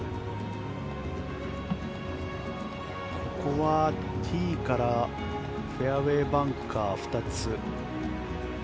ここはティーからフェアウェーバンカー２つ。